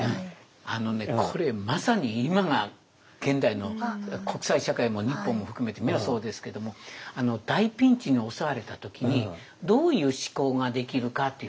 あのねこれまさに今が現代の国際社会も日本も含めて皆そうですけども大ピンチに襲われた時にどういう思考ができるかっていう。